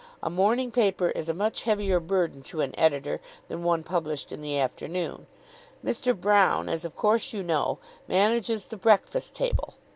A morning paper is a much heavier burden to an editor than one published in the afternoon. Mr. Broune, as of course you know, manages the 'Breakfast Table.'